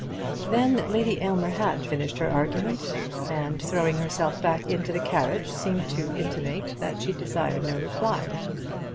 Then Lady Aylmer had finished her argument, and throwing herself back into the carriage, seemed to intimate that she desired no reply.